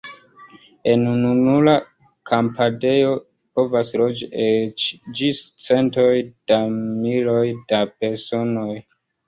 En ununura kampadejo povas loĝi eĉ ĝis centoj da miloj da personoj.